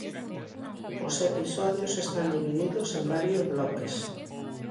Os episodios están divididos en varios bloques.